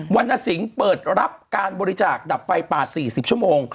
รณสิงห์เปิดรับการบริจาคดับไฟป่า๔๐ชั่วโมง